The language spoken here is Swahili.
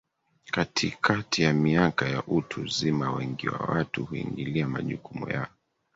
katikati ya miaka ya utu uzima Wengi wa watu huingilia majukumu ya